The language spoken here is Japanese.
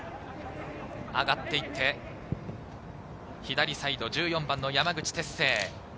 上がっていって、左サイド１４番・山口輝星。